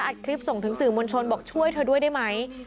คลิปส่งถึงสื่อมวลชนบอกช่วยเธอด้วยได้ไหม